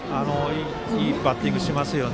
いいバッティングしますね。